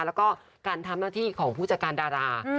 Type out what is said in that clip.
แล้วก็การทำหน้าที่ของผู้จัดการดารา